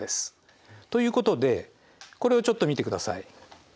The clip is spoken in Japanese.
ということでこれをちょっと見てください。